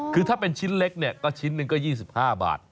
คือถ้าเป็นชิ้นเล็กเนี่ยก็ชิ้นหนึ่งก็๒๕บาท